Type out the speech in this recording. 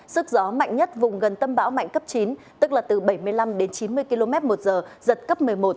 sức gió mạnh nhất vùng gần tâm bão mạnh cấp chín tức là từ bảy mươi năm đến chín mươi km một giờ giật cấp một mươi một